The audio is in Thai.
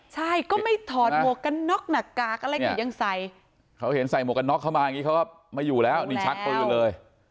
ใช่ก็ไม่ถอดหมวกกันน็อกหน้ากากอะไรกันยังใส่เขาเห็นใส่หมวกกันน็อกเขามาอยู่แล้วนี่ชักเขาอยู่เลย